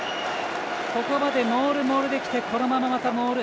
ここまでモール、モールできてこのまま、またモール。